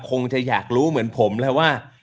คงจะอยากรู้เหมือนผมแล้วว่า